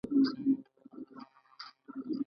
هغې د زړه له کومې د ستوري ستاینه هم وکړه.